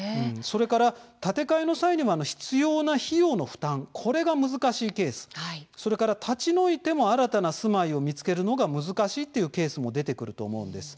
建て替えのために必要な費用の負担が難しいケース立ち退いても新たな住まいを見つけるのが難しいケースも出てくると思うんです。